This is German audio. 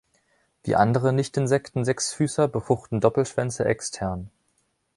Wie andere Nicht-Insekten-Sechsfüßer befruchten Doppelschwänze extern.